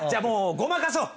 ごまかそう。